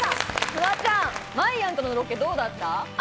フワちゃん、まいやんとのロケどうだった？